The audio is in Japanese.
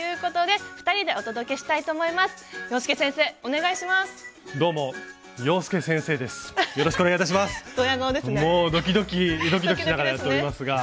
もうドキドキしながらやっておりますが。